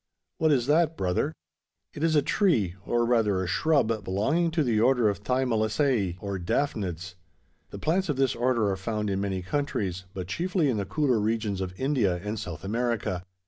"What is that, brother?" "It is a tree, or rather a shrub, belonging to the order of the Thymelaceae, or `Daphnads.' The plants of this order are found in many countries; but chiefly in the cooler regions of India and South America.